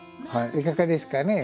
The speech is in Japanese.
いかがですかね？